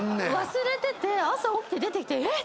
忘れてて朝起きて出てきてえっ⁉